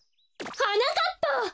はなかっぱ！